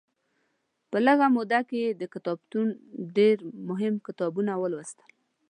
په لږه موده کې یې د کتابتون ډېر مهم کتابونه ولوستل.